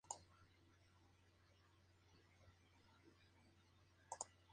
Está casada con Richard.